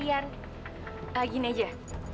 itu ini juga